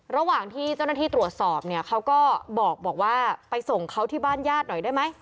ระหว่างที่เจ้าหน้าที่ตรวจสอบเนี่ยเขาก็บอกว่าไปส่งเขาที่บ้านญาติหน่อยได้ไหม